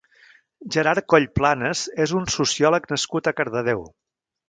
Gerard Coll Planas és un sociòleg nascut a Cardedeu.